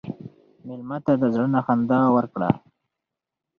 مېلمه ته د زړه نه خندا ورکړه.